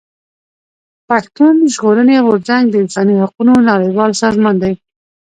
پښتون ژغورني غورځنګ د انساني حقوقو نړيوال سازمان دی.